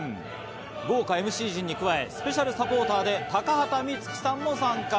豪華ＭＣ陣に加え、スペシャルサポーターで高畑充希さんも参加。